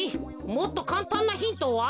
もっとかんたんなヒントは？